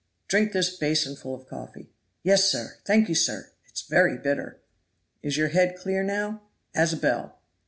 "Drink this basinful of coffee." "Yes, sir. Thank you, sir. It is very bitter." "Is your head clear now?" "As a bell."